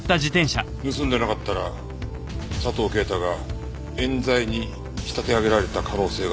盗んでなかったら佐藤啓太が冤罪に仕立て上げられた可能性が出る。